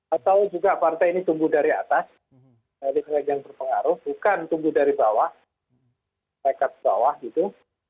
atau juga partai ini tumbuh dari atas dari yang berpengaruh bukan tumbuh dari bawah rakyat bawah gitu